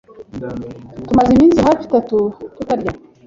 Tumaze iminsi hafi itatu tutarya.